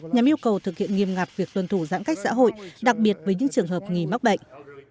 nhằm yêu cầu thực hiện nghiêm ngặt việc tuân thủ giãn cách xã hội đặc biệt với những trường hợp nghi mắc bệnh